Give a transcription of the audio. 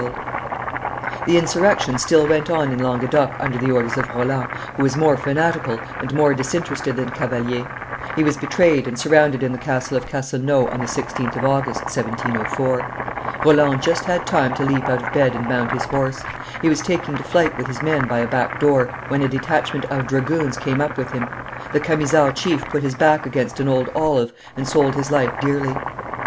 [Illustration: Death of Roland the Camisard 569] The insurrection still went on in Languedoc under the orders of Roland, who was more fanatical and more disinterested than Cavalier; he was betrayed and surrounded in the castle of Castelnau on the 16th of August, 1704. Roland just had time to leap out of bed and mount his horse; he was taking to flight with his men by a back door when a detachment of dragoons came up with him; the Camisard chief put his back against an old olive and sold his life dearly.